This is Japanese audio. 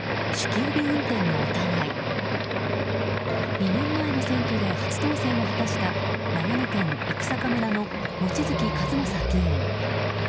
２年前の選挙で初当選を果たした長野県生坂村の望月一将議員。